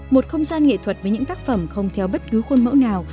một không gian nghệ thuật với những tác phẩm không theo bất cứ khuôn mẫu nào